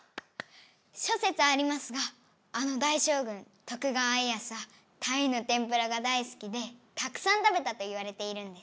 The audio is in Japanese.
しょせつありますがあの大しょうぐん徳川家康はたいのてんぷらが大すきでたくさん食べたといわれているんです。